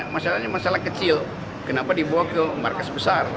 masalahnya masalah kecil kenapa dibawa ke markas besar